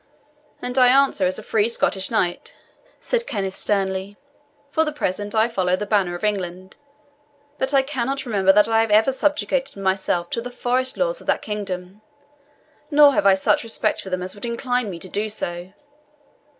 "And I answer as a free Scottish knight," said Kenneth sternly. "For the present I follow the banner of England, but I cannot remember that I have ever subjected myself to the forest laws of that kingdom, nor have I such respect for them as would incline me to do so.